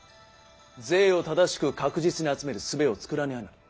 税を正しく確実に集めるすべを作らにゃならん。